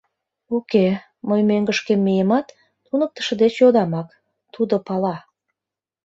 Уке, мый мӧҥгышкем миемат, туныктышо деч йодамак, тудо пала.